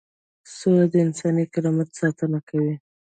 سوله د انساني کرامت ساتنه کوي.